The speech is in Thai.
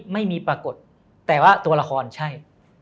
ปรากฏแต่ว่าตัวละครใช่